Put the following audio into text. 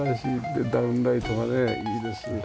でダウンライトがねいいですよ。